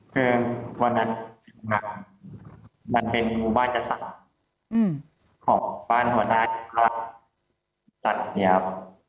คือวันนั้นมันเป็นครูบ้านจัดสรรค์ของบ้านหัวหน้าของบ้านจัดสรรค์นี้ครับ